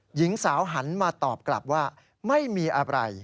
หญิงสาวหันมาตอบกลับว่าไม่มีอะไร